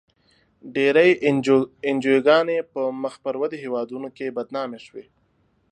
ډېری انجوګانې په مخ پر ودې هېوادونو کې بدنامې شوې.